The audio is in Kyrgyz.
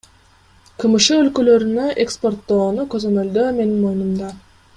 КМШ өлкөлөрүнө экспорттоону көзөмөлдөө менин моюнумда.